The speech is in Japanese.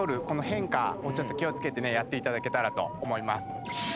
この変化をちょっと気をつけてねやって頂けたらと思います。